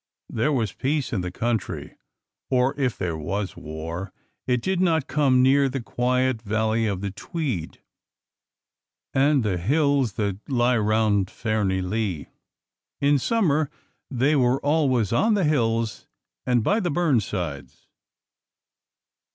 There was peace in the country; or if there was war, it did not come near the quiet valley of the Tweed and the hills that lie round Fairnilee. In summer they were always on the hills and by the burnsides.